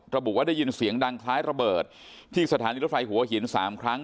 ระบุว่าได้ยินเสียงดังคล้ายระเบิดที่สถานีรถไฟหัวหิน๓ครั้ง